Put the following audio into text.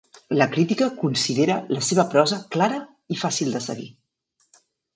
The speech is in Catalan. La crítica considera la seva prosa clara i fàcil de seguir.